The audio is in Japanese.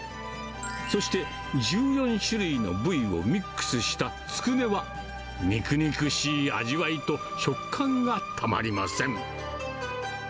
そして１４種類の部位をミックスしたつくねは肉肉しい味わいと食感がたまりません。